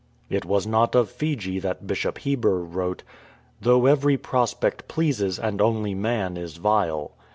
It was not of Fiji that Bishop Heber wrote, Though every prospect pleases, And only man is vile.